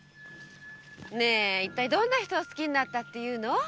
ねぇ一体どんな人を好きになったっていうの？